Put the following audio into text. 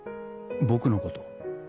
僕のこと？